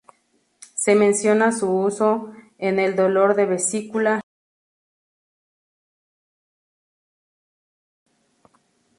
Se menciona su uso en el dolor de vesícula, nervios, fiebre y afecciones gastrointestinales.